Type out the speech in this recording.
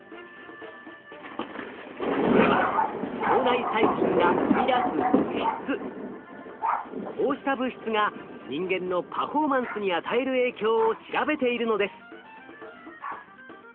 それはこうした物質が人間のパフォーマンスに与える影響を調べているのです。